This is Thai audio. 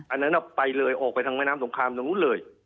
อันนั้นไปเลยออกไปทางแม่น้ำสงครามตรงนู้นเลย